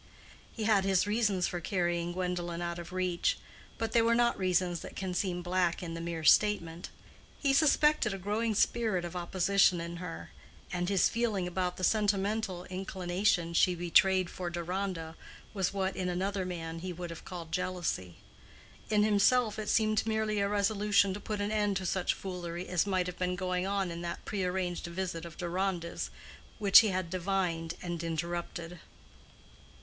He had his reasons for carrying Gwendolen out of reach, but they were not reasons that can seem black in the mere statement. He suspected a growing spirit of opposition in her, and his feeling about the sentimental inclination she betrayed for Deronda was what in another man he would have called jealousy. In himself it seemed merely a resolution to put an end to such foolery as must have been going on in that prearranged visit of Deronda's which he had divined and interrupted.